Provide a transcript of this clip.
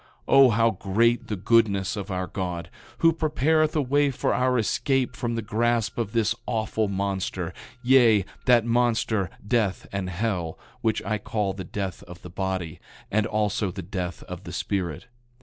9:10 O how great the goodness of our God, who prepareth a way for our escape from the grasp of this awful monster; yea, that monster, death and hell, which I call the death of the body, and also the death of the spirit.